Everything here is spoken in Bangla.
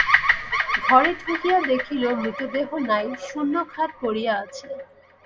ঘরে ঢুকিয়া দেখিল মৃতদেহ নাই, শূন্য খাট পড়িয়া আছে।